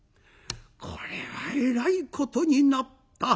これはえらいことになった。